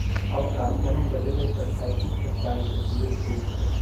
Aufgaben: Hemmung der Bildung von Calcit-Kristallen, die das Gewebe schädigen können.